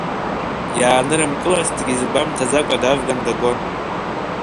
Иаанырымкылазҭгьы изгәамҭаӡакәа давган дагон.